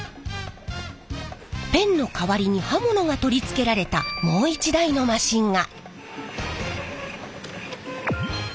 ペンの代わりに刃物が取り付けられたもう一台のマシンが。